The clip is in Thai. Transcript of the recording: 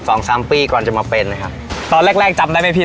สองสามปีก่อนจะมาเป็นนะครับตอนแรกแรกจำได้ไหมพี่